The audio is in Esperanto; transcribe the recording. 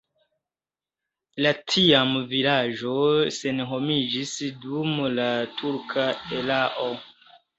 La tiama vilaĝo senhomiĝis dum la turka erao.